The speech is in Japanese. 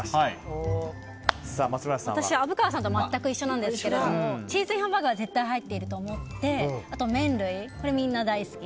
私、虻川さんと全く一緒なんですけどチーズＩＮハンバーグは絶対入っていると思ってあと麺類、みんな大好き。